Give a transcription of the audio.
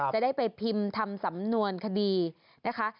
จะได้ไปพิมพ์ทำสำนวนคดีนะคะ